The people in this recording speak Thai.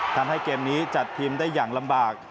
ทำให้เกมนี้จัดทีมได้อย่างลำบาก